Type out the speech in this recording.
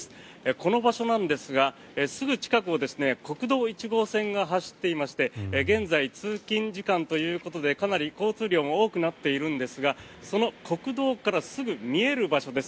この場所なんですがすぐ近くを国道１号線が走っていまして現在、通勤時間ということでかなり交通量も多くなっているんですがその国道からすぐ見える場所です。